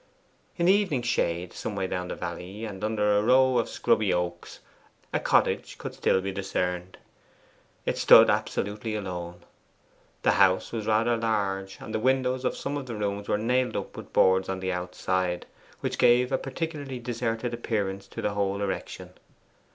In the evening shade, some way down the valley, and under a row of scrubby oaks, a cottage could still be discerned. It stood absolutely alone. The house was rather large, and the windows of some of the rooms were nailed up with boards on the outside, which gave a particularly deserted appearance to the whole erection.